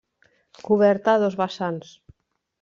Coberta a dos vessants.